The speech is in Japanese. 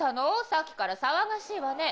さっきから騒がしいわね。